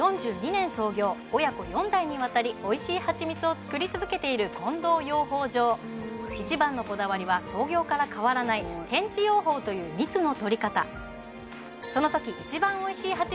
４２年創業親子４代にわたりおいしいはちみつを作り続けている近藤養蜂場一番のこだわりは創業から変わらない転地養蜂という蜜の採り方そのとき一番おいしいはちみつを採るために